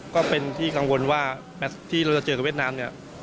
ก็เป็นที่กังวลว่าแมทที่เราจะเจอกับเวียดนามเนี่ย